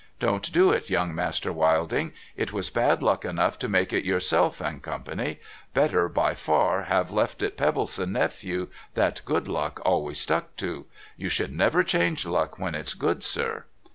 Don't do it, Young Master Wilding. It was bad luck enough to make it Yourself and Co. Better by far have left it Pebbleson Nephew that good luck always stuck to. You should never change luck when it's good, sir.'